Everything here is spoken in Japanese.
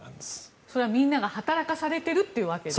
それはみんなが働かされているということですか？